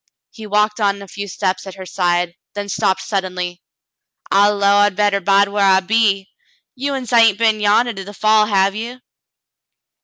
He walked on a few steps at her side, then stopped suddenly. "I 'low I better bide whar I be. You uns hain't been yandah to the fall, have ye